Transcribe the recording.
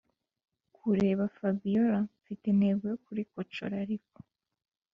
kureba fabiora mfite intego yo kurikocora ariko